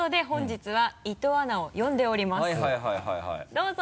どうぞ。